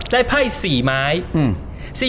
ได้ไภ๔ไม้